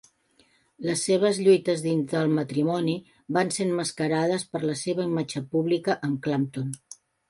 Les seves lluites dins del matrimoni van ser emmascarades per la seva imatge pública amb Clapton.